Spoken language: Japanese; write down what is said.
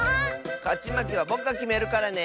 かちまけはぼくがきめるからね。